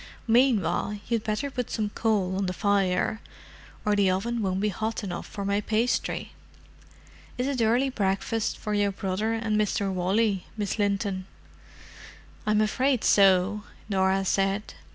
"Meanwhile you'd better put some coal on the fire, or the oven won't be hot enough for my pastry. Is it early breakfast for your brother and Mr. Wally, Miss Linton?" "I'm afraid so," Norah said.